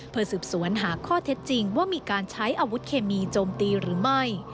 เพื่อสืบสวนหาข้อเท็จจริงว่ามีการใช้อาวุธเคมีโจมตีหรือไม่